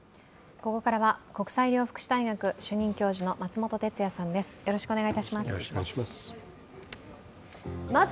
ここからは国際医療福祉大学主任教授の松本哲哉さんです、よろしくお願いします。